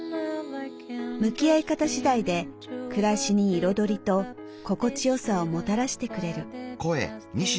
向き合い方しだいで暮らしに彩りと心地良さをもたらしてくれる。